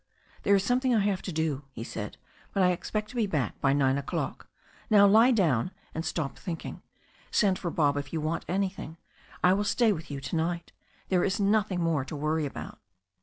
"There is something I have to do," he said. "But I expect to be back by nine o'clock. Now lie down, and stop thinking. Send for Bob if you want anything. I will stay with you to night. There is nothing more to worry about.